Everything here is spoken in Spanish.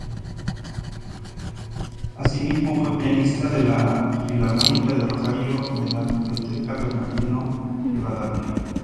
Asimismo, fue pianista de la Filarmónica de Rosario y de la Biblioteca Bernardino Rivadavia.